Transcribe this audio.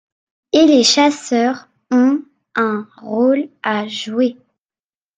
Et les chasseurs ont un rôle à jouer.